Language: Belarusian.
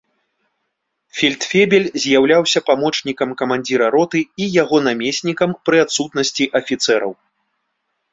Фельдфебель з'яўляўся памочнікам камандзіра роты і яго намеснікам пры адсутнасці афіцэраў.